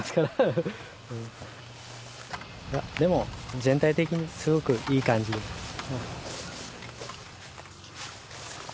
でも全体的にすごくいい感じです。